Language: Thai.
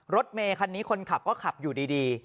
รถเมคันนี้คนขับก็ขับอยู่ดี